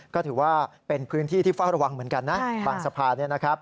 ก็ถือว่าเป็นพื้นที่ที่เฝ้าระวังเหมือนกันนะบางสะพานเนี่ยนะครับ